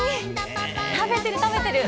食べてる、食べてる。